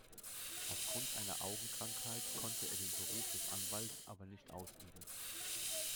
Aufgrund einer Augenkrankheit konnte er den Beruf des Anwalts aber nicht ausüben.